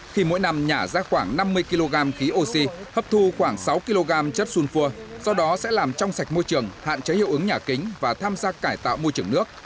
khi mỗi năm nhả ra khoảng năm mươi kg khí oxy hấp thu khoảng sáu kg chất sunfur do đó sẽ làm trong sạch môi trường hạn chế hiệu ứng nhà kính và tham gia cải tạo môi trường nước